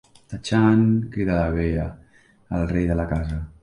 Tatxaaan... –crida la Bea–, el rei de la casa!